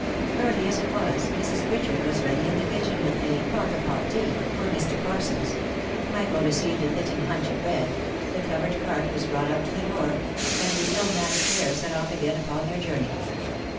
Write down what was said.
Early as it was, Mrs. Pritchard was ready in the kitchen with " a pot of hot tea" for Mr. Parsons ; Michael received a fitting hunch of bread, the covered cart was brought up to the door, and the ill matched pair set off again upon their journey.